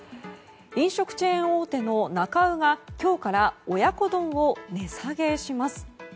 飲食チェーン大手のなか卯が今日から親子丼を値下げします。